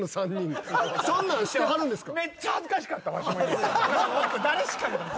そんなんしてはるんですか？